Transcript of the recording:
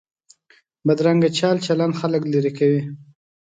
بدرنګه چال چلند خلک لرې کوي